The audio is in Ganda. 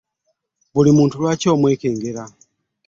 Buli muntu lwaki omwekengera?